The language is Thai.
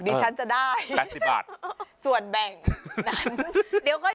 ฉันจะได้แปดสิบบาทส่วนแบ่งนั้นเดี๋ยวก็